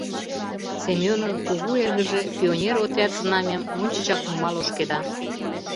Семёнын кугу эргыже пионер отряд знамям ончычак нумал ошкеда.